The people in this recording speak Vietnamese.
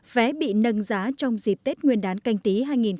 vé bị nâng giá trong dịp tết nguyên đán canh tí hai nghìn hai mươi